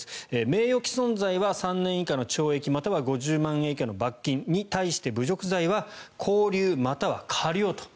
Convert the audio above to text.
名誉毀損罪は３年以下の懲役または５０万円以下の罰金に対して侮辱罪は拘留または科料と。